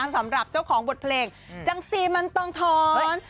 สำหรับเจ้าของบทเพลงจังซีมันต้องท้อน